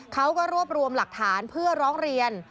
เขาก็รวบรวมหลักฐานเพื่อร้องเรียน